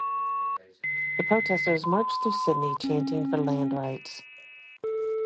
The protesters marched through Sydney chanting for land rights.